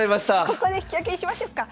ここで引き分けにしましょっか。